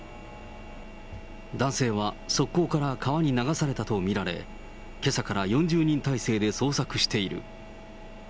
男性は側溝から川に流されたと見られ、けさから４０人態勢で捜索している。